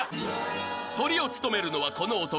［トリを務めるのはこの男］